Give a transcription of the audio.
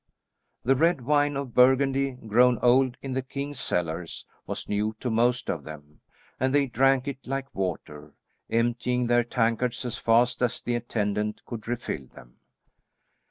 The red wine of Burgundy, grown old in the king's cellars, was new to most of them, and they drank it like water, emptying their tankards as fast as the attendant could refill them.